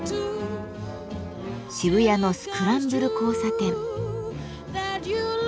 渋谷のスクランブル交差点。